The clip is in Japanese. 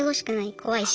怖いし。